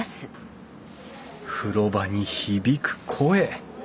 風呂場に響く声。